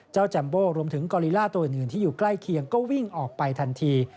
จัมโบรวมถึงกอลิล่าตัวอื่นที่อยู่ใกล้เคียงก็วิ่งออกไปทันที